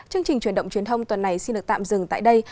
chương trình truyền động truyền thông tuần này xin được tạm dừng tại đây